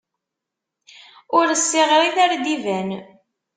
Ur ssiɣrit ar d iban!